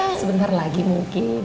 ya sebentar lagi mungkin